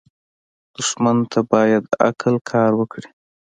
دښمن ته باید عقل کار وکړې